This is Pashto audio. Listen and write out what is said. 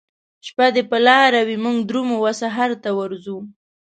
شپه دي په لاره وي موږ درومو وسحرته ورځو